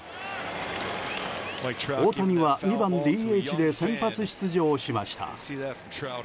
大谷は２番ＤＨで先発出場しました。